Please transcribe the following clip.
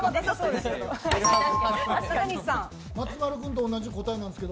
松丸君と同じ答えなんですけど。